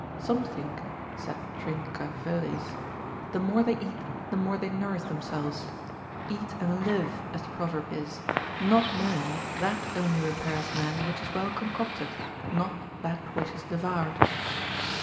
Some think (saith Trincavelius, lib. 11. cap. 29. de curand. part. hum.) the more they eat the more they nourish themselves: eat and live, as the proverb is, not knowing that only repairs man, which is well concocted, not that which is devoured.